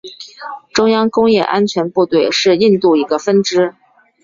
中央工业安全部队是印度一个分支。